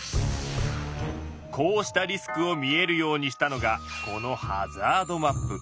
こうしたリスクを見えるようにしたのがこの「ハザードマップ」。